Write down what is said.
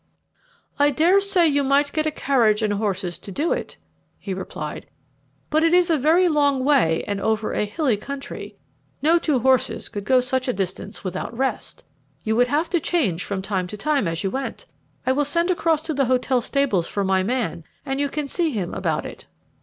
"I dare say you might get a carriage and horses to do it," he replied; "but it is a very long way, and over a hilly country. No two horses could go such a distance without rest. You would have to change from time to time as you went. I will send across to the hotel stables for my man, and you can see him about it."